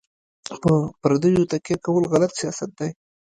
په پردیو تکیه کول غلط سیاست دی.